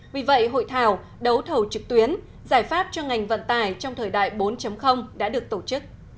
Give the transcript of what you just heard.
vì vậy hội thảo đấu thầu trực tuyến giải pháp cho ngành vận tải trong thời đại bốn đã được tổ chức